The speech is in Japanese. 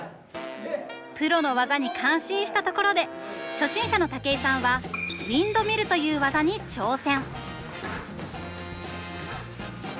プロの技に感心したところで初心者の武井さんはウィンドミルという技に挑戦！